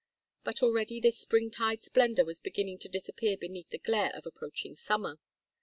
But already this springtide splendor was beginning to disappear beneath the glare of approaching summer.